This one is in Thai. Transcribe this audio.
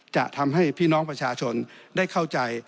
จะทำให้พี่น้องประชาชนได้เข้าใจ